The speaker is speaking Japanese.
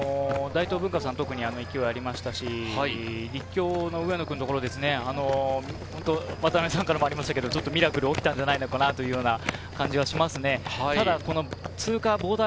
大東文化さん、特に勢いがありましたし、立教の上野君のところ、渡辺さんからもありましたが、ミラクル起きたんじゃないかなというような感じがしますね。